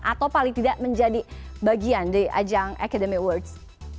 atau paling tidak menjadi bagian di ajang academy awards